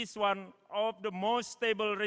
saluran yang paling stabil di dunia